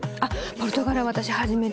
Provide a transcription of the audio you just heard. ポルトガルは私初めて。